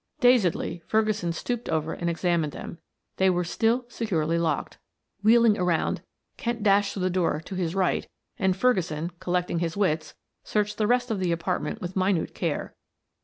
Dazedly Ferguson stooped over and examined them. They were still securely locked. Wheeling around Kent dashed through the door to his right and Ferguson, collecting his wits, searched the rest of the apartment with minute care.